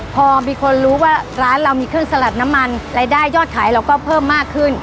พอมีคนรู้ว่าร้านเรามีเครื่องสลัดน้ำมันรายได้ยอดขายเราก็เพิ่มมากขึ้น